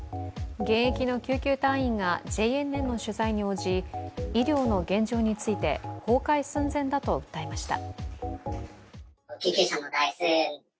現役の救急隊員がＪＮＮの取材に応じ医療の現状について、崩壊寸前だと訴えました。